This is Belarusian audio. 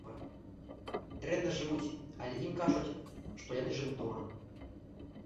Дрэнна жывуць, але ім кажуць, што яны жывуць добра.